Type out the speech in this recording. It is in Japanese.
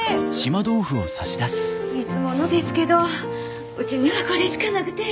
いつものですけどうちにはこれしかなくて。